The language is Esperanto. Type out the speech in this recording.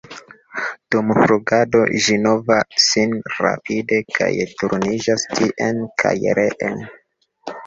Dum flugado ĝi movas sin rapide kaj turniĝas tien kaj reen.